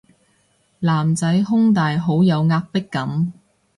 男仔胸大好有壓迫感